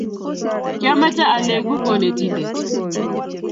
kiameche aleku konetindet